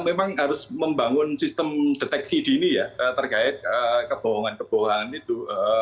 memang harus membangun sistem deteksi dini ya terkait kebohongan kebohongan itu